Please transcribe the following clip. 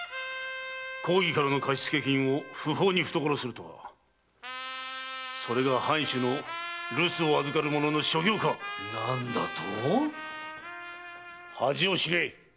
公儀からの貸付金を不法に懐するとはそれが藩主の留守を預かる者の所業か⁉何だと？恥を知れ！